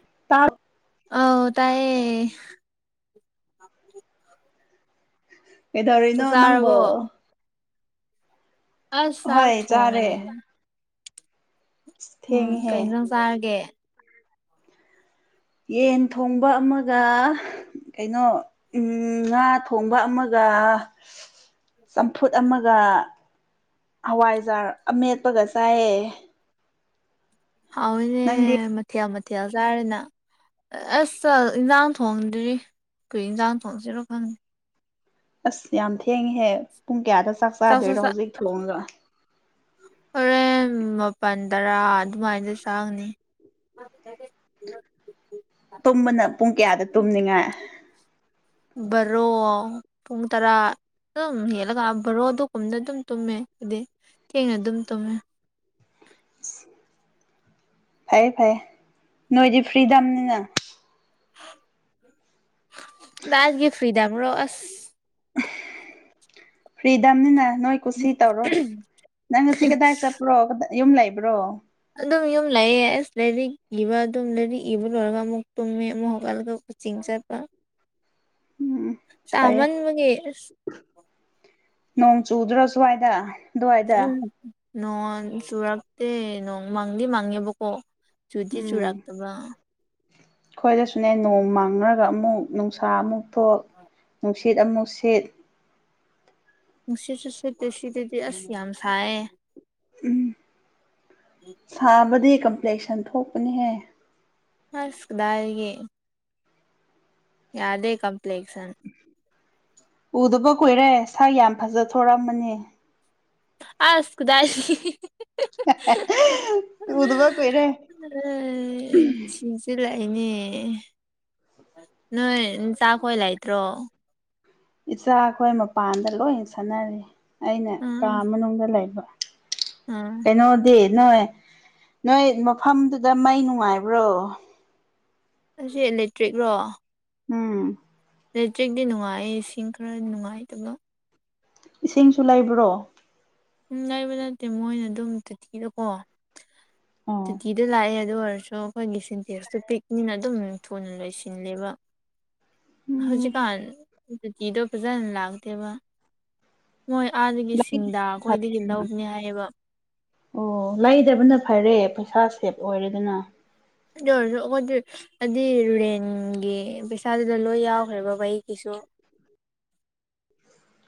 [unintelligible] ꯑꯧ ꯇꯥꯏꯌꯦ ꯀꯩꯗꯧꯔꯤꯅꯣ ꯆꯥꯛ ꯆꯥꯔꯕꯣ ꯅꯪꯕꯣ ꯑꯁ ꯆꯥꯛ ꯍꯣꯏ ꯆꯥꯔꯦ ꯊꯣꯡꯔꯤꯅꯤ ꯑꯁ ꯎꯝ ꯊꯦꯡꯉꯦꯍꯦ ꯀꯩ ꯏꯟꯖꯥꯡ ꯆꯥꯔꯒꯦ ꯌꯦꯟ ꯊꯣꯡꯕ ꯑꯃꯒ ꯀꯩꯅꯣ ꯎꯝ ꯉꯥ ꯊꯣꯡꯕ ꯑꯃꯒ ꯆꯝꯐꯨꯠ ꯑꯃꯒ ꯍꯋꯥꯏꯖꯥꯔ ꯑꯃꯦꯠꯄꯒ ꯆꯥꯏꯌꯦ ꯍꯥꯎꯏꯅꯦ ꯅꯪꯗꯤ ꯃꯊꯦꯜ ꯃꯊꯦꯜ ꯆꯥꯔꯦꯅ ꯑꯁ ꯆꯜ ꯏꯟꯖꯥꯡ ꯊꯣꯡꯗ꯭ꯔꯤ ꯀꯩ ꯏꯟꯖꯥꯡ ꯊꯣꯡꯁꯤꯔꯣ ꯈꯪ ꯑꯁ ꯌꯥꯝ ꯊꯦꯡꯉꯦꯍꯦ ꯄꯨꯡ ꯀꯌꯥꯗ ꯆꯥꯛ ꯆꯥꯛꯁꯨ ꯆꯥꯗꯣꯏꯔꯣ ꯆꯥ ꯍꯧꯖꯤꯛ ꯊꯣꯡꯉꯒ ꯍꯣꯔꯦꯟ ꯃꯥꯄꯜ ꯇꯔꯥ ꯑꯗꯨꯃꯥꯏꯗꯤ ꯆꯥꯒꯅꯤ [inaudible] ꯇꯨꯝꯕꯅ ꯄꯨꯡ ꯀꯌꯥꯗ ꯇꯨꯝꯅꯤꯡꯉꯥꯏ ꯕꯥꯔꯣ ꯄꯨꯡ ꯇꯔꯥ ꯑꯗꯨꯝ ꯍꯦꯜꯂꯒ ꯕꯔꯣ ꯑꯗꯨꯒꯨꯝꯗ ꯑꯗꯨꯝ ꯇꯨꯝꯃꯦ ꯑꯥꯗꯤ ꯊꯦꯡꯅ ꯑꯗꯨꯝ ꯇꯨꯝꯃꯦ [inaudible] ꯐꯩꯌꯦ ꯐꯩꯌꯦ ꯅꯣꯏꯗꯤ ꯐ꯭ꯔꯤꯗꯝꯅꯤꯅ ꯗꯥꯏꯗꯒ ꯐ꯭ꯔꯤꯗꯝꯔꯣ ꯑꯁ ꯐ꯭ꯔꯤꯗꯝꯅꯤꯅ ꯅꯣꯏ ꯀꯨꯁꯤ ꯇꯧꯔꯣ ꯅꯪ ꯉꯁꯤ ꯀꯗꯥꯏ ꯆꯠꯄ꯭ꯔꯣ ꯌꯨꯝ ꯂꯩꯕ꯭ꯔꯣ ꯑꯗꯨꯝ ꯌꯨꯝ ꯂꯥꯏꯑꯦ ꯑꯁ ꯂꯥꯏꯔꯤꯛ ꯏꯕ ꯑꯗꯨꯝ ꯂꯥꯏꯔꯤꯛ ꯏꯕ ꯂꯣꯏꯔꯒ ꯑꯃꯨꯛ ꯇꯨꯝꯃꯦ ꯑꯃꯨꯛ ꯍꯧꯒꯠꯂꯒ ꯀꯣꯆꯤꯡ ꯆꯠꯄ ꯎꯝ ꯐꯩꯌꯦ ꯁꯥꯃꯟꯕꯒꯤ ꯑꯁ ꯅꯣꯡ ꯆꯨꯗ꯭ꯔ ꯑꯗꯨꯋꯥꯏꯗ ꯎꯝ ꯅꯣꯡ ꯆꯨꯔꯛꯇꯦ ꯅꯣꯡ ꯃꯥꯡꯗꯤ ꯃꯡꯉꯦꯕꯀꯣ ꯆꯨꯗꯤ ꯆꯨꯔꯛꯇꯕ ꯈꯣꯏꯗꯁꯨꯅꯦ ꯅꯣꯡ ꯃꯥꯡꯔꯒ ꯑꯃꯨꯛ ꯅꯨꯡꯁꯥ ꯑꯃꯨꯛ ꯊꯣꯛ ꯅꯨꯡꯁꯤꯠ ꯑꯃꯨꯛ ꯁꯤꯠ ꯅꯨꯡꯁꯤꯠꯁꯨ ꯁꯤꯇꯦꯁꯤꯗꯗꯤ ꯑꯁ ꯌꯥꯝ ꯁꯥꯏꯌꯦ ꯎꯝ ꯁꯥꯕꯗꯤ ꯀꯝꯄ꯭ꯂꯦꯛꯁꯟ ꯊꯣꯛꯄꯅꯤꯍꯦ ꯑꯁ ꯀꯗꯥꯏꯗꯒꯤ ꯌꯥꯗꯦ ꯀꯝꯄ꯭ꯂꯦꯛꯁꯟ ꯎꯗꯕ ꯀꯨꯏꯔꯦ ꯁꯛ ꯌꯥꯝ ꯐꯖꯊꯣꯛꯔꯝꯃꯅꯤ ꯑꯁ ꯀꯗꯥꯏꯗꯒꯤ ꯍꯥ ꯍꯥ ꯍꯥ ꯎꯗꯕ ꯀꯨꯏꯔꯦ ꯑꯝ ꯏꯅꯦ ꯅꯣꯏ ꯅꯆꯥꯈꯣꯏ ꯂꯩꯇ꯭ꯔꯣ ꯏꯆꯥ ꯈꯣꯏ ꯃꯄꯥꯟꯗ ꯂꯣꯏ ꯁꯥꯟꯅꯔꯤ ꯑꯩꯅ ꯀꯥ ꯎꯝ ꯃꯅꯨꯡꯗ ꯂꯩꯕ ꯎꯝ ꯀꯩꯅꯣꯗꯤ ꯅꯣꯏ ꯅꯣꯏ ꯃꯐꯝꯗꯨꯗ ꯃꯩ ꯅꯨꯡꯉꯥꯏꯕ꯭ꯔꯣ ꯑꯁꯤ ꯏꯂꯦꯛꯇ꯭ꯔꯤꯛ ꯔꯣ ꯎꯝ ꯑꯂꯦꯇ꯭ꯔꯤꯛꯇꯤ ꯅꯨꯡꯉꯥꯏ ꯏꯁꯤꯡ ꯈꯔ ꯅꯨꯡꯉꯥꯏꯇꯕ ꯏꯁꯤꯡꯁꯨ ꯂꯩꯕ꯭ꯔꯣ ꯎꯝ ꯂꯩꯕ ꯅꯠꯇꯦ ꯃꯣꯏꯅ ꯑꯗꯨꯝ ꯇꯨꯇꯤꯗꯀꯣ ꯑꯣ ꯇꯨꯇꯤꯗꯣ ꯂꯥꯛꯑꯦ ꯑꯗꯣꯔ ꯁꯨ ꯑꯈꯣꯏꯒꯤ ꯁꯤꯟꯇꯦꯛꯁꯇꯨ ꯄꯤꯛꯅꯤꯅ ꯑꯗꯨꯝ ꯊꯨꯅ ꯂꯣꯏꯁꯤꯜꯂꯦꯕ ꯎꯝ ꯍꯧꯖꯤꯛꯀꯥꯟ ꯇꯣꯇꯤꯗꯣ ꯐꯖꯅ ꯂꯥꯛꯇꯦꯕ ꯃꯣꯏ ꯑꯥꯗꯒꯤ ꯁꯤꯡꯗꯝ ꯐꯠ ꯑꯣ ꯂꯩꯗꯕꯅ ꯐꯔꯦ ꯁꯥ ꯁꯦꯞ ꯑꯣꯏꯔꯦꯗꯅ ꯑꯗꯨ ꯑꯣꯏꯔꯖꯨ ꯑꯈꯣꯏꯗꯤ ꯑꯗꯤ ꯔꯦꯟꯒꯤ ꯄꯩꯁꯥ ꯗ ꯂꯣꯏ ꯌꯥꯎꯒ꯭ꯔꯦꯕ ꯕꯥꯩꯒꯤꯁꯨ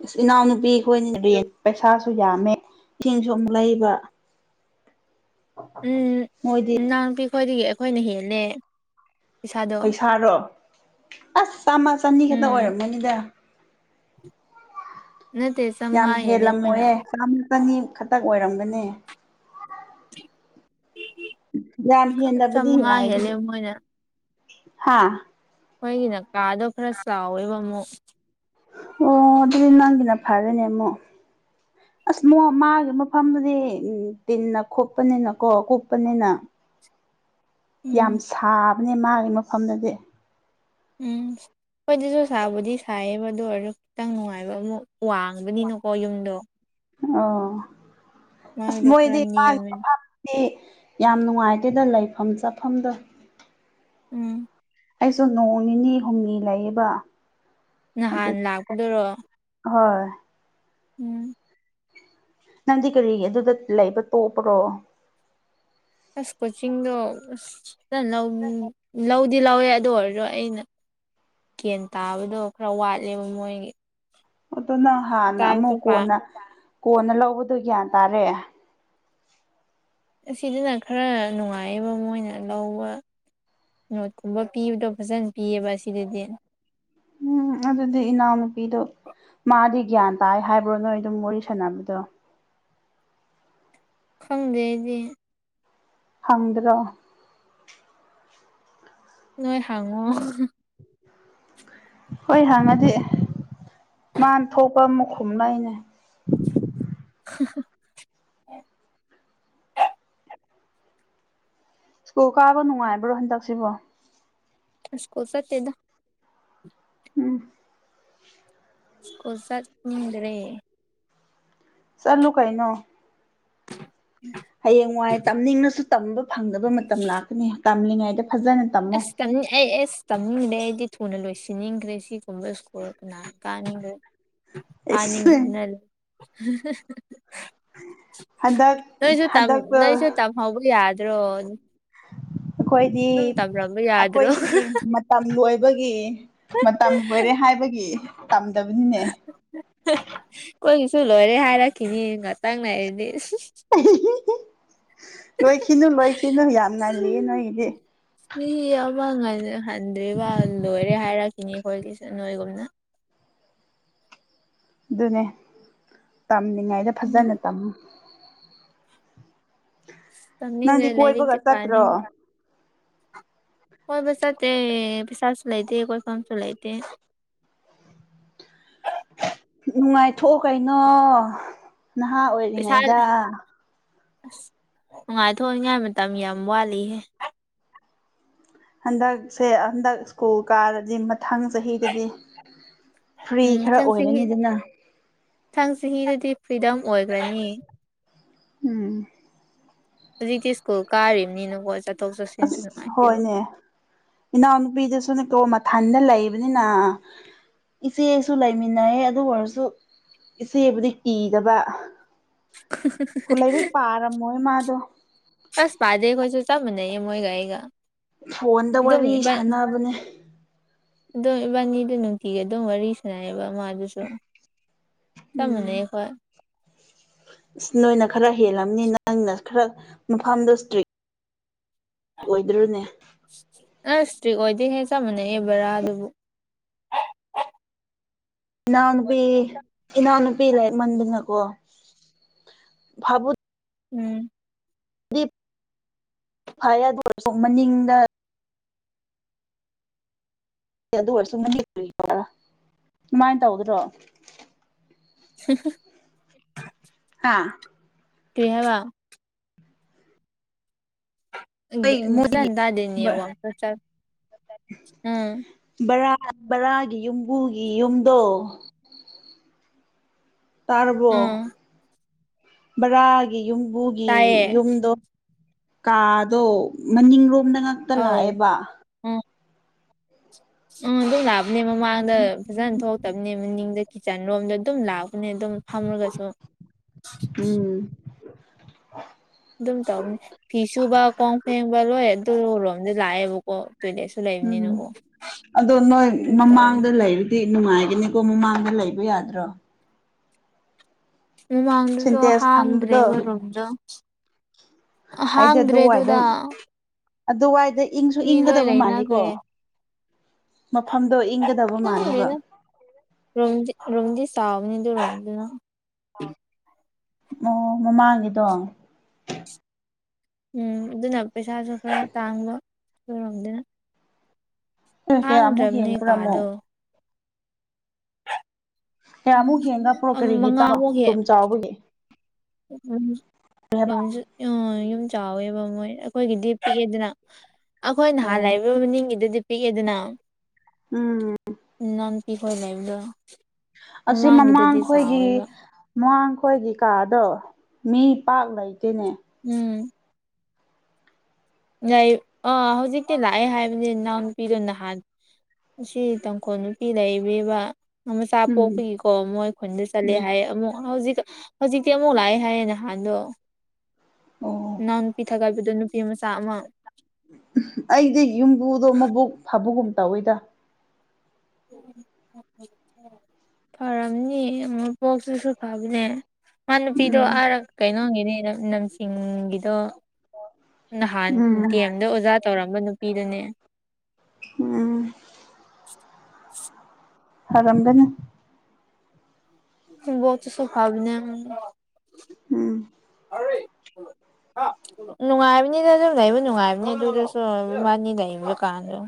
ꯏꯁ ꯏꯅꯥꯎꯅꯨꯄꯤ ꯈꯣꯏꯅꯤ ꯔꯦꯟ ꯄꯩꯁꯥꯁꯨ ꯌꯥꯝꯃꯦ ꯏꯁꯤꯡꯁꯨ ꯑꯃꯨꯛ ꯂꯩꯕ ꯎꯝ ꯃꯣꯏꯗꯤ ꯏꯅꯥꯎꯄꯤꯈꯣꯏꯗꯒꯤ ꯑꯈꯣꯏꯅ ꯍꯦꯜꯂꯦ ꯄꯩꯁꯥꯗꯣ ꯄꯩꯁꯥꯔꯣ ꯑꯁ ꯆꯥꯝꯃ ꯆꯅꯤ ꯈꯛꯇ ꯎꯝ ꯑꯣꯏꯔꯝꯃꯅꯤꯗ [inaudible] ꯌꯥꯝ ꯆꯥꯝꯃꯉꯥ ꯍꯦꯜꯂꯦ ꯑꯩꯈꯣꯏꯅ ꯍꯦꯜꯂꯝꯃꯣꯏꯌꯦ ꯆꯥꯝꯃ ꯇꯪꯅꯤ ꯈꯇꯛ ꯑꯣꯏꯔꯝꯒꯅꯤ ꯌꯥꯝ ꯍꯦꯟꯗꯕꯗꯤ ꯆꯥꯝꯃꯉꯥ ꯌꯥꯏ ꯍꯦꯜꯂꯦ ꯃꯣꯏꯅ ꯍꯥ ꯑꯣꯏꯒꯤꯅ ꯀꯥꯗꯣ ꯈꯔ ꯆꯥꯎꯋꯦꯕ ꯑꯃꯨꯛ ꯑꯣ ꯑꯗꯨꯗꯤ ꯅꯪꯒꯤꯅ ꯐꯔꯦꯅꯦ ꯃꯨꯛ [inaudible] ꯁꯃꯣ ꯃꯥꯒꯤ ꯃꯐꯝꯗꯨꯗꯤ ꯇꯤꯟꯅ ꯈꯣꯞꯄꯅꯤꯅꯀꯣ ꯀꯨꯞꯄꯅꯤꯅ [inaudible] ꯌꯥꯝ ꯁꯥꯕꯅꯦ ꯃꯥꯒꯤ ꯃꯐꯝꯗꯗꯤ ꯎꯝ ꯈꯣꯏꯗꯁꯨ ꯁꯥꯕꯨꯗꯤ ꯁꯥꯏꯌꯦꯕ ꯑꯗꯨ ꯑꯣꯏꯔꯁꯨ ꯈꯤꯇꯪ ꯅꯨꯡꯉꯥꯏꯕ ꯑꯃꯨꯛ ꯋꯥꯡꯕꯅꯤꯅꯀꯣ ꯌꯨꯝꯗꯣ ꯑꯣ ꯑꯁ ꯃꯥꯒꯤꯗꯣ ꯈꯔ ꯃꯣꯏꯗꯤ ꯃꯥꯒꯤ ꯅꯦꯝꯃꯦ ꯃꯐꯝꯗꯤ ꯌꯥꯝ ꯅꯨꯡꯉꯥꯏꯇꯦꯗ ꯂꯩꯐꯝ ꯆꯥꯐꯝꯗꯣ ꯎꯝ ꯑꯩꯁꯨ ꯅꯣꯡ ꯅꯤꯅꯤ ꯍꯨꯝꯅꯤ ꯂꯩꯌꯦꯕ ꯑꯗꯨ ꯅꯍꯥꯟ ꯂꯥꯛꯄꯗꯨꯔꯣ ꯍꯣꯏ ꯎꯝ ꯅꯪꯗꯤ ꯀꯔꯤꯒꯤ ꯑꯗꯨꯗ ꯂꯩꯕ ꯇꯣꯛꯄꯔꯣ ꯑꯁ ꯀꯣꯆꯤꯡꯗꯣ ꯑꯁ [unintelligible] ꯗꯤ ꯂꯧꯋꯦ ꯑꯗꯨ ꯑꯣꯏꯔꯖꯨ ꯑꯩꯅ ꯀꯦꯟ ꯇꯥꯕꯗꯣ ꯈꯔ ꯋꯥꯠꯂꯦꯕ ꯃꯣꯏꯒꯤ ꯑꯗꯨ ꯅꯪ ꯍꯥꯟꯅ ꯇꯥꯛꯇꯣ ꯑꯃꯨꯛ ꯄꯥꯝ ꯀꯣꯟꯅ ꯀꯣꯟꯅ ꯂꯧꯕꯗꯣ ꯒ꯭ꯌꯥꯟ ꯇꯥꯔꯦ ꯑꯁꯤꯗꯅ ꯈꯔ ꯅꯨꯡꯉꯥꯏꯌꯦꯕ ꯃꯣꯏꯅ ꯂꯧꯕ ꯅꯣꯠꯀꯨꯝꯕ ꯄꯤꯕꯗꯣ ꯐꯖꯅ ꯄꯤꯌꯦꯕ ꯑꯁꯤꯗꯗꯤ ꯎꯝ ꯑꯗꯨꯗꯤ ꯏꯅꯥꯎꯅꯨꯄꯤꯗꯣ ꯃꯥꯗꯤ ꯒ꯭ꯌꯥꯟ ꯇꯥꯏ ꯍꯥꯏꯕ꯭ꯔꯣ ꯅꯣꯏ ꯑꯗꯨꯝ ꯋꯥꯔꯤ ꯁꯥꯟꯅꯕꯗꯣ ꯈꯪꯗꯦ ꯑꯩꯗꯤ ꯍꯪꯗ꯭ꯔꯣ ꯅꯣꯏ ꯍꯪꯉꯣ ꯍꯣꯏ ꯍꯪꯉꯗꯤ ꯃꯥꯥꯟ ꯊꯣꯛꯄ ꯑꯃꯥ ꯈꯨꯝꯂꯛꯑꯦꯅꯦ [unintelligible] ꯁ꯭ꯀꯨꯜ ꯀꯥꯕ ꯅꯨꯡꯉꯥꯏꯕ꯭ꯔꯣ ꯍꯟꯗꯛꯁꯤꯕꯣ ꯑꯁ ꯁ꯭ꯀꯨꯜ ꯆꯠꯇꯦꯗ ꯎꯝ ꯁ꯭ꯀꯨꯜ ꯆꯠꯅꯤꯡꯗ꯭ꯔꯦ ꯆꯠꯂꯨ ꯀꯩꯅꯣ ꯍꯌꯦꯡꯋꯥꯏ ꯇꯝꯅꯤꯡꯂꯁꯨ ꯇꯝꯕ ꯐꯪꯗꯕ ꯃꯇꯝ ꯂꯥꯛꯀꯅꯤ ꯇꯝꯂꯤꯉꯩꯗ ꯐꯖꯅ ꯇꯝꯃꯣ ꯑꯁ ꯇꯝꯅꯤ ꯑꯩ ꯑꯦꯁ ꯇꯝꯅꯤꯡꯗꯦ ꯑꯩꯗꯤ ꯊꯨꯅ ꯂꯣꯏꯁꯤꯟꯅꯤꯡꯈ꯭ꯔꯦ ꯁꯤ ꯒꯨꯝꯕ ꯁ꯭ꯀꯨꯜ ꯀꯅꯥ ꯀꯥꯅꯤꯡꯒꯦꯔ ꯑꯦꯁ ꯀꯥꯅꯤꯡꯗꯕꯅ ꯍꯟꯗꯛ [unintelligible] [inaudible] ꯅꯣꯏꯁꯨ ꯇꯝ ꯍꯟꯗꯛꯇ ꯅꯣꯏꯁꯨ ꯇꯝꯍꯧꯕ ꯌꯥꯗ꯭ꯔꯣ ꯑꯩꯈꯣꯏꯗꯤ ꯑꯗꯨꯝ ꯇꯝꯔꯝꯕ ꯌꯥꯗ꯭ꯔꯣ ꯑꯩꯈꯣꯏꯒꯤ ꯃꯇꯝ ꯂꯣꯏꯕꯒꯤ ꯃꯇꯝ ꯂꯣꯏꯔꯦ ꯍꯥꯏꯕꯒꯤ ꯇꯝꯗꯕꯅꯤꯅꯦ ꯁꯨ ꯂꯣꯏꯔꯦ ꯍꯥꯏꯔꯛꯈꯤꯅꯤ ꯉꯥꯇꯪ ꯂꯩꯔꯗꯤ ꯂꯣꯏꯈꯤꯅꯨ ꯂꯣꯏꯈꯤꯅꯨ ꯌꯥꯝ ꯉꯜꯂꯤꯌꯦ ꯅꯣꯏꯒꯤꯗꯤ ꯕꯛ ꯉꯟꯅ ꯍꯟꯗ꯭ꯔꯤꯕ ꯂꯣꯏꯔꯦ ꯍꯥꯏꯔꯛꯈꯤꯅꯤ ꯑꯩꯈꯣꯏꯒꯤꯁꯨ ꯅꯣꯏꯒꯨꯝꯅ ꯑꯗꯨꯅꯦ ꯇꯝꯂꯤꯉꯥꯏꯗ ꯎꯝ ꯐꯖꯅ ꯇꯝꯃꯨ ꯇꯝꯅꯤꯡꯗ꯭ꯔꯦ ꯅꯪꯗꯤ ꯀꯣꯏꯕꯒ ꯂꯥꯏꯔꯤꯛꯇꯤ ꯆꯠꯇ꯭ꯔꯣ ꯄꯥꯅꯤꯡ ꯀꯣꯏꯕ ꯆꯠꯇꯦ ꯄꯩꯁꯥꯁꯨ ꯂꯩꯇꯦ ꯀꯣꯏ ꯐꯝꯁꯨ ꯂꯩꯇꯦ [inaudible] ꯅꯨꯡꯉꯥꯏꯊꯣꯛꯑꯣ ꯀꯩꯅꯣ ꯅꯍꯥ ꯑꯣꯏꯔꯤꯉꯩꯗ ꯑꯁ ꯅꯨꯡꯉꯥꯏꯊꯣꯛꯅꯤꯡꯉꯥꯏ ꯃꯇꯝ ꯌꯥꯝ ꯋꯥꯠꯂꯤꯍꯦ ꯍꯟꯗꯛꯁꯦ ꯍꯟꯗꯛ ꯁ꯭ꯀꯨꯜ ꯀꯥꯔꯗꯤ ꯃꯊꯪ ꯆꯍꯤꯗꯗꯤ ꯐ꯭ꯔꯤ ꯈꯔ ꯑꯣꯏꯔꯅꯤꯗꯅ ꯊꯪ ꯆꯍꯤꯗꯗꯤ ꯐ꯭ꯔꯤꯗꯝ ꯑꯣꯏꯈ꯭ꯔꯅꯤ ꯎꯝ ꯍꯨꯖꯤꯛꯇꯤ ꯑꯁ ꯅꯨꯡꯉꯥꯏꯇꯦꯕ ꯍꯣꯏꯅꯦ ꯏꯅꯥꯎꯅꯨꯄꯤꯗꯁꯨ ꯗꯣ ꯃꯊꯟꯗ ꯂꯩꯕꯅꯤꯅ ꯏꯆꯦꯁꯨ ꯂꯩꯃꯤꯟꯅꯌꯦ ꯑꯗꯨ ꯑꯣꯏꯔꯁꯨ ꯏꯆꯦꯕꯨꯗꯤ ꯀꯤꯗꯕ ꯂꯥꯏꯔꯤꯛ ꯄꯥꯔꯝꯃꯣꯏ ꯃꯥꯗꯣ ꯑꯁ ꯄꯗꯦ ꯑꯩꯈꯣꯏꯁꯨ ꯆꯞ ꯃꯟꯅꯩꯌꯦ ꯃꯣꯏꯒ ꯑꯩꯒ ꯐꯣꯟꯗ ꯋꯥꯔꯤ ꯁꯥꯟꯅꯕꯅꯦ ꯗꯣ ꯏꯕꯥꯟꯅꯤꯗꯣ ꯅꯨꯡꯇꯤꯒꯤ ꯑꯗꯨꯝ ꯋꯥꯔꯤ ꯁꯅꯩ ꯕꯥ ꯃꯥꯗꯨꯁꯨ ꯆꯞ ꯎꯝ ꯃꯥꯅꯩ ꯑꯈꯣꯏ ꯅꯣꯏꯅ ꯈꯔ ꯍꯦꯜꯂꯝꯅꯤ ꯅꯪꯅ ꯈꯔ ꯃꯐꯝꯗꯣ ꯏꯁꯇ꯭ꯔꯤꯛ ꯑꯣꯏꯗ꯭ꯔꯣꯅꯦ ꯁꯇ꯭ꯔꯤꯛ ꯑꯣꯏꯗꯦꯍꯦ ꯆꯞ ꯃꯥꯟꯅꯩ ꯍꯦ ꯕꯔꯥꯗꯕꯨ ꯏꯅꯥꯎꯅꯨꯄꯤ ꯏꯅꯥꯎꯅꯨꯄꯤ ꯂꯦꯛꯃꯟꯗꯅꯀꯣ ꯐꯕꯨꯠ ꯎꯝ ꯐꯥꯌꯪ ꯑꯗꯨ ꯑꯣꯏꯔꯁꯨ ꯃꯅꯤꯡꯗ ꯑꯗꯨ ꯑꯣꯏꯔꯁꯨ ꯑꯗꯨꯨꯃꯥꯏ ꯇꯧꯗ꯭ꯔꯣ [unintelligible] ꯍꯥ ꯀꯔꯤ ꯍꯥꯏꯕ ꯑꯪꯒ ꯑꯩ ꯐꯖꯟ ꯇꯥꯗꯦ ꯅꯦꯋꯥꯛꯇ ꯆꯜ ꯕꯔꯥ ꯕꯔꯥꯒꯤ ꯌꯨꯝꯕꯨꯒꯤ ꯌꯨꯝꯗꯣ ꯇꯥꯔꯕꯣ ꯎꯝ ꯕꯔꯥꯒꯤ ꯌꯨꯝꯕꯨꯒꯤ ꯇꯥꯏꯌꯦ ꯌꯨꯝꯗꯣ ꯀꯥꯗꯣ ꯃꯅꯤꯡꯔꯣꯝꯗ ꯉꯥꯛꯇ ꯑꯧ ꯂꯥꯛꯑꯦꯕ ꯎꯝ ꯎꯝ ꯑꯗꯨꯝ ꯂꯥꯕꯅꯦ ꯃꯃꯥꯡꯗ ꯐꯖꯟ ꯊꯣꯛꯇꯝꯅꯦ ꯃꯅꯤꯡꯗ ꯀꯤꯠꯆꯟ ꯔꯣꯝꯗ ꯑꯗꯨꯝ ꯂꯥꯛ ꯄꯅꯦ ꯑꯗꯨꯝ ꯐꯝꯔꯒꯁꯨ [inaudible] ꯑꯗꯨꯝ ꯇꯧꯕꯅꯤ ꯐꯤ ꯁꯨꯕ ꯀꯣꯟ ꯐꯦꯡꯕ ꯂꯣꯏ ꯑꯗꯨꯔꯣꯝꯗ ꯂꯥꯛꯑꯦꯕꯀꯣ ꯇꯣꯏꯂꯦꯠꯁꯨ ꯂꯩ ꯂꯩꯝꯅꯤꯅ ꯀꯣ ꯅꯪ ꯃꯃꯥꯡꯗ ꯂꯩꯕꯗꯤ ꯅꯨꯡꯉꯥꯏꯒꯅꯤꯀꯣ ꯃꯃꯥꯡꯗ ꯂꯩꯕ ꯌꯥꯗ꯭ꯔꯣ ꯃꯃꯥꯡꯗꯨꯗꯣ ꯁꯤꯟꯇꯦꯛꯁ ꯊꯝꯕꯗꯣ ꯍꯥꯡꯗ꯭ꯔꯦꯕ ꯔꯨꯝꯗꯣ ꯑꯩꯗꯤ ꯍꯥꯡꯗ꯭ꯔꯦ ꯑꯗꯨꯋꯥꯏꯗ ꯑꯗꯨꯗ ꯑꯗꯨꯋꯥꯏꯗ ꯏꯪꯁꯨ ꯃꯤ ꯂꯣꯏ ꯏꯪꯒꯗꯕ ꯃꯥꯜꯂꯦꯀꯣ ꯂꯩꯅꯈ꯭ꯔꯦ ꯃꯐꯝꯗꯣ ꯏꯪꯒꯗꯕ ꯃꯥꯜꯂꯦꯕ ꯔꯨꯝꯗꯨ ꯔꯨꯝꯗꯤ ꯆꯥꯎꯕꯅꯤ ꯑꯗꯨ ꯔꯨꯝꯗꯨꯅ ꯑꯣ ꯃꯃꯥꯡꯒꯤꯗꯣ ꯎꯝ ꯑꯗꯨꯅ ꯄꯩꯁꯥꯁꯨ ꯈꯔ ꯇꯥꯡꯕ ꯗꯨ ꯔꯨꯝꯗꯨꯅ ꯑꯦ ꯀꯌꯥꯃꯨꯛ ꯍꯦꯟꯕ꯭ꯔꯥ ꯑꯃꯣꯛ ꯀꯥꯗꯣ ꯀꯌꯥꯃꯨꯛ ꯍꯦꯟꯒꯄ꯭ꯔꯣ ꯑꯝ ꯀꯔꯤꯒꯤ ꯇꯥꯕ ꯃꯉꯥꯃꯨꯛ ꯍꯦ ꯔꯨꯝ ꯆꯥꯎꯕꯒꯤ ꯌꯝꯖꯨ ꯑꯥ ꯌꯨꯝ ꯆꯥꯎꯋꯦꯕ ꯃꯣꯏꯅ ꯑꯩꯈꯣꯏꯒꯤꯗꯤ ꯄꯤꯛꯑꯦꯗꯅ ꯑꯩꯈꯣꯏ ꯅꯍꯥꯟ ꯑꯣ ꯂꯩꯕ ꯃꯅꯤꯡꯒꯤꯗꯨꯗꯤ ꯄꯤꯛꯑꯦꯗꯅ ꯎꯝ ꯄꯤ ꯈꯣꯏ ꯂꯩꯕꯗꯨ ꯑꯁꯤ ꯃꯃꯥꯡꯈꯣꯏꯒꯤ ꯃꯃꯥꯡ ꯑꯩꯈꯣꯏꯒꯤ ꯀꯥꯗꯣ ꯃꯤ ꯄꯥꯛ ꯂꯩꯇꯦꯅꯦ ꯎꯝ ꯂꯩ ꯑꯥ ꯍꯧꯖꯤꯛꯇꯤ ꯂꯥꯛꯑꯦ ꯍꯥꯏꯕꯅꯤ ꯅꯥ ꯅꯨꯄꯤꯗꯨ ꯅꯍꯥꯟ ꯁꯤ ꯇꯥꯡꯈꯣꯜ ꯅꯨꯄꯤ ꯂꯩꯕꯅꯦꯕ ꯃꯆꯥ ꯎꯝ ꯄꯣꯛꯄꯒꯤꯀꯣ ꯃꯣꯏ ꯈꯨꯟꯗ ꯆꯠꯂꯦ ꯎꯝ ꯍꯥꯏꯌꯦ ꯑꯃꯨꯛ ꯍꯧꯖꯤꯛ ꯍꯧꯖꯤꯛꯇꯤ ꯑꯃꯨꯛ ꯂꯥꯛꯑꯦ ꯍꯥꯏꯌꯦ ꯅꯍꯥꯟꯗꯣ ꯑꯣ ꯏꯅꯥꯎ ꯅꯨꯄꯤ ꯊꯒꯠꯕꯗꯣ ꯅꯨꯄꯤ ꯑꯃ ꯇ ꯑꯃ ꯑꯩꯗꯤ ꯌꯨꯝꯕꯨꯗꯣ ꯃꯕꯨꯛ ꯐꯕꯒꯨꯝ ꯇꯧꯋꯤꯗ [inaudible] ꯐꯔꯝꯅꯤ ꯃꯄꯣꯛꯇꯨꯁꯨ ꯐꯕꯅꯦ ꯃꯥ ꯅꯨꯄꯤꯗꯣ ꯎꯝ ꯑꯥꯔ ꯀꯩꯅꯣꯒꯤꯅꯦ ꯅ ꯅꯝꯆꯤꯡꯒꯤꯗꯣ ꯅꯍꯥꯟ ꯎꯝ ꯗꯤ ꯑꯦꯝꯗ ꯑꯣꯖꯥ ꯇꯧꯔꯝꯕ ꯅꯨ ꯄꯤ ꯗꯨꯅꯦ ꯎꯝ ꯐꯔꯝꯒꯅꯤ ꯏꯕꯣꯛꯇꯨꯁꯨ ꯐꯕꯅꯦ ꯎꯝ [inaudible] ꯅꯨꯡꯉꯥꯏꯕꯅꯤꯗ ꯑꯗꯨꯝ ꯂꯩꯕ ꯅꯨꯡꯉꯥꯏꯕꯅꯤ ꯑꯗꯨꯗꯁꯨ ꯏꯃꯥꯅꯤ ꯂꯩꯕ ꯀꯥꯟꯗꯣ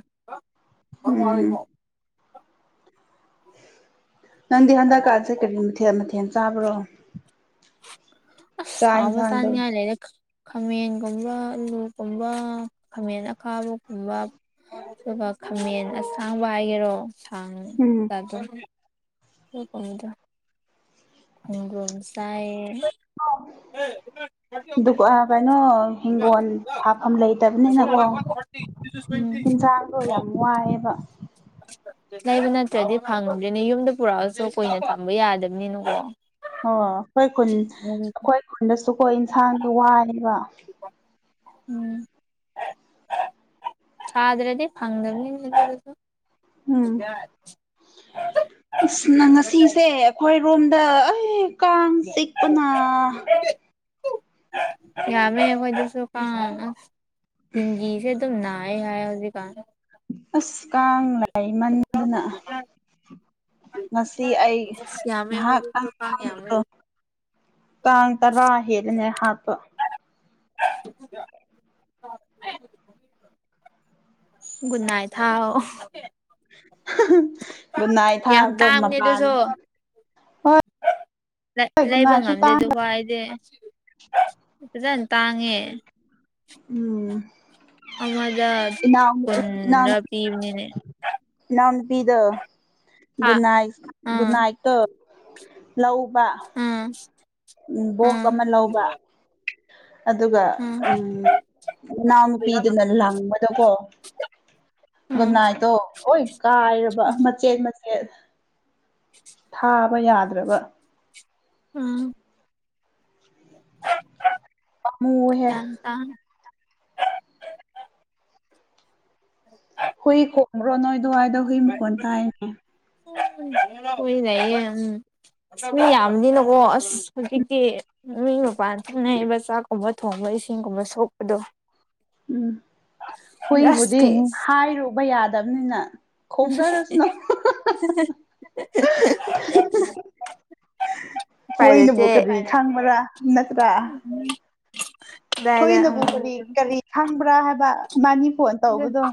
ꯎꯝ [unintelligible] ꯅꯪꯗꯤ ꯍꯟꯗꯛꯀꯥꯟꯁꯦ ꯀꯔꯤ ꯃꯊꯦꯜ ꯃꯊꯦꯜ ꯆꯥꯕ꯭ꯔꯣ ꯑꯁ ꯆꯥꯛ ꯍꯥꯎꯕ ꯌꯦꯟꯁꯥꯡꯗꯣ ꯆꯥꯅꯤꯡꯉꯥꯏ ꯂꯩꯔꯛ ꯈꯥꯃꯦꯟꯒꯨꯝꯕ ꯑꯂꯨꯒꯨꯝꯕ ꯈꯥꯃꯦꯟ ꯑꯈꯥꯕ ꯀꯨꯝꯕ ꯑꯗꯨꯒ ꯈꯥꯃꯦꯟ ꯑꯁꯥꯡꯕ ꯍꯥꯏꯒꯦꯔꯣ ꯁꯥꯡ ꯎꯝ ꯂꯗꯨ ꯑꯗꯨꯒꯨꯝꯕꯗꯨ [unintelligible] ꯗꯨ ꯑꯥ ꯀꯩꯅꯣ ꯍꯤꯡꯒꯣꯜ ꯍꯥꯐꯝ ꯂꯩꯇꯕꯅꯤꯅꯀꯣ ꯎꯝ ꯍꯤꯟꯖꯥꯡꯗꯣ ꯌꯥꯝ ꯋꯥꯏꯑꯦꯕ ꯂꯩꯕ ꯅꯠꯇ꯭ꯔꯗꯤ ꯐꯪꯗ꯭ꯔꯦꯅꯦ ꯌꯨꯝꯗ ꯄꯨꯔꯛꯑꯁꯨ ꯀꯨꯏꯅ ꯊꯝꯕ ꯌꯥꯗꯝꯅꯤꯅ ꯀꯣ ꯑꯣ ꯑꯩꯈꯣꯏ ꯈꯨꯟ ꯑꯩꯈꯣꯏ ꯈꯨꯟꯗꯁꯨꯀꯣ ꯏꯟꯁꯥꯡꯒꯤ ꯋꯥꯅꯦꯕ [inaudible] ꯎꯝ ꯁꯥꯗ꯭ꯔꯗꯤ ꯐꯪꯗꯝꯅꯤꯅꯦ ꯑꯗꯨꯗꯁꯨ ꯎꯝ [unintelligible] ꯑꯁ ꯅꯪ ꯉꯁꯤꯁꯦ ꯑꯩꯈꯣꯏꯔꯣꯝꯗ ꯑꯩ ꯀꯥꯡ ꯆꯤꯛꯄꯅ ꯌꯥꯝꯃꯦ ꯑꯩꯈꯣꯏꯗꯁꯨ ꯀꯥꯡ ꯑꯁ ꯗꯤꯡꯒꯤꯁꯦ ꯑꯗꯨꯝ ꯅꯥ ꯅꯥꯏ ꯍꯥꯏꯌꯦ ꯍꯧꯖꯤꯛꯀꯥꯟ ꯑꯁ ꯀꯥꯡ ꯂꯩꯃꯟꯗꯅ ꯉꯁꯤ ꯑꯩ ꯑꯁ ꯌꯥꯝꯃꯦ ꯑꯩꯈꯣꯏꯗꯁꯨ ꯉꯍꯥꯛꯇꯪ ꯀꯥꯡ ꯌꯥꯝꯃꯦ ꯐꯝꯕꯗꯣ ꯀꯥꯡ ꯇꯔꯥ ꯍꯦꯂꯦꯅꯦ ꯍꯥꯞꯄ [unintelligible] ꯨꯒꯨꯗꯅꯥꯢꯠ ꯊꯥꯎ ꯒꯨꯠꯅꯥꯏꯗ ꯌꯥꯝ ꯊꯥꯕꯗꯣ ꯇꯥꯡꯕꯅꯦ ꯃꯄꯥꯟ ꯑꯗꯨꯁꯨ ꯍꯣꯏ ꯂꯩꯕ ꯒꯨꯠꯅꯥꯏꯁꯨ ꯉꯝꯗꯦ ꯇꯥꯡꯕ ꯗꯨꯕꯥꯏꯗꯤ ꯐꯖꯅ ꯇꯥꯡꯉꯦ ꯎꯝ ꯑꯃꯗ ꯏꯅꯥꯎ ꯀꯨꯟꯂꯥ ꯄꯤꯕꯅꯤꯅꯦ ꯏꯅꯥꯎ ꯅꯨꯄꯤꯗꯣ ꯍꯥ ꯒꯨꯠꯅꯥꯏ ꯑꯥ ꯒꯨꯠꯅꯥꯏꯠ ꯇꯣ ꯂꯧ ꯕꯥ ꯑꯥ ꯎꯝ ꯕꯣꯛꯁ ꯑꯥ ꯑꯃ ꯂꯧꯕ ꯑꯗꯨꯒ ꯑꯥ ꯎꯝ ꯏꯅꯥꯎꯅꯨꯄꯤꯗꯨꯅ ꯂꯪꯕꯗꯀꯣ ꯑꯥ ꯒꯨꯠꯅꯥꯏꯇꯣ ꯂꯣꯏ ꯀꯥꯏꯔꯕ ꯃꯆꯦꯠ ꯃꯆꯦꯠ ꯊꯥꯕ ꯌꯥꯗ꯭ꯔꯕ ꯑꯥ ꯄꯃꯨꯋꯦꯍꯦ ꯌꯥꯝ ꯇꯥꯡ [unintelligible] ꯍꯨꯏ ꯈꯣꯕ꯭ꯔꯣ ꯅꯣꯏ ꯗ꯭ꯋꯥꯏꯗꯣ ꯍꯨꯏ ꯃꯈꯣꯟ ꯇꯥꯏꯅꯦ ꯍꯣꯏ ꯂꯩꯌꯦ ꯎꯝ ꯍꯨꯏ ꯌꯥꯝꯅꯤꯅꯀꯣ ꯑꯁ ꯍꯧꯖꯤꯛꯇꯤ ꯃꯤ ꯃꯄꯥꯟ ꯊꯣꯛꯅꯩꯕ ꯆꯥꯛꯀꯨꯝꯕ ꯊꯣꯡꯕ ꯏꯁꯤꯡꯒꯨꯝꯕ ꯁꯣꯛꯄꯗꯣ ꯎꯝ ꯑꯁ ꯍꯨꯏꯕꯨꯗꯤ ꯀꯤꯡ ꯍꯥꯏꯔꯨꯕ ꯌꯥꯗꯕꯅꯤꯅ ꯈꯣꯡꯖꯔꯁꯅꯨ [unintelligible] ꯎꯄꯥꯏ ꯍꯣꯏꯅꯕꯨ ꯂꯩꯇꯦ ꯀꯔꯤ ꯈꯪꯕ꯭ꯔ ꯅꯠꯇ꯭ꯔ ꯑꯗꯥꯏꯗ ꯎꯝ ꯍꯨꯏꯅꯕꯨ ꯀꯔꯤ ꯑꯗꯨ ꯀꯔꯤ ꯈꯪꯕ꯭ꯔ ꯍꯥꯏꯕ ꯕꯅꯤ ꯐꯣꯟ ꯇꯧꯕꯗꯣ